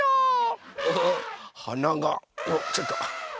はながあちょっと。